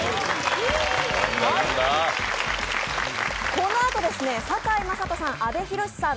このあと、堺雅人さん、阿部寛さん